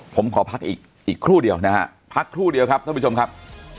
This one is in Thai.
ผมขอพักอีกครู่เดียวนะฮะพักครู่เดียวครับท่านผู้ชมครับ